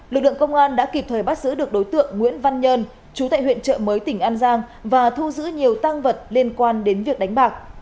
lực lượng công an đã kịp thời bắt giữ được đối tượng nguyễn văn nhơn chú tại huyện trợ mới tỉnh an giang và thu giữ nhiều tăng vật liên quan đến việc đánh bạc